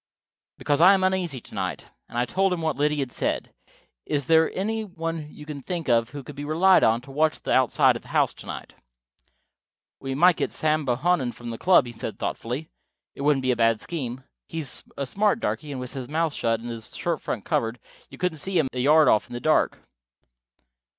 "Because I am uneasy to night." And I told him what Liddy had said. "Is there any one you can think of who could be relied on to watch the outside of the house to night?" "We might get Sam Bohannon from the club," he said thoughtfully. "It wouldn't be a bad scheme. He's a smart darky, and with his mouth shut and his shirt front covered, you couldn't see him a yard off in the dark."